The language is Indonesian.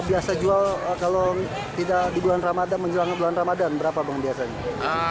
biasa jual kalau tidak di bulan ramadan menjelang bulan ramadan berapa bang biasanya